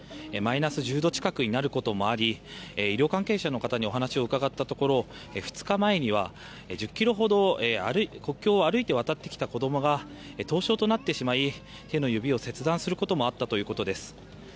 マイナス１０度近くになることもあり医療関係者の方にお話を伺ったところ２日前には１０ｋｍほど国境を歩いてきた子供が凍傷となってしまい手の指を切断することもあったということです。